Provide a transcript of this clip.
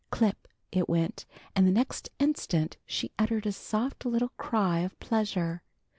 Clip, it went, and the next instant she uttered a soft little cry of pleasure.